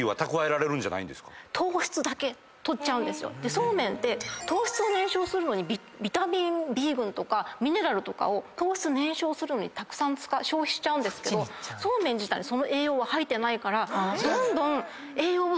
そうめんって糖質を燃焼するのにビタミンＢ群とかミネラルとかを糖質燃焼するのにたくさん消費しちゃうんですけどそうめん自体にその栄養は入ってないからどんどん。